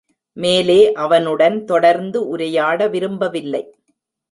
மேலே அவனுடன் தொடர்ந்து உரையாட விரும்பவில்லை.